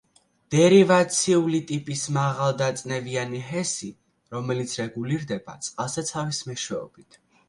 დერივაციული ტიპის მაღალდაწნევიანი ჰესი, რომელიც რეგულირდება წყალსაცავის მეშვეობით.